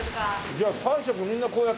じゃあ３食みんなこうやって作るの？